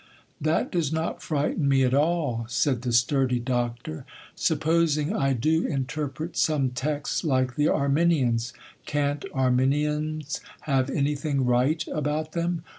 'That does not frighten me at all,' said the sturdy Doctor. 'Supposing I do interpret some texts like the Arminians. Can't Arminians have anything right about them?